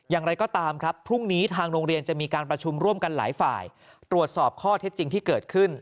อย่างไรก็ตามครับพรุ่งนี้ทางโรงเรียนจะมีการประชุมร่วมกันหลายฝ่ายตรวจสอบข้อเท็จจริงที่เกิดขึ้น